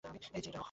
এই যে এটা, অহ!